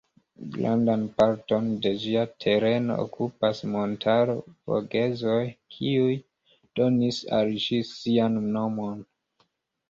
Grandan parton de ĝia tereno okupas montaro Vogezoj, kiuj donis al ĝi sian nomon.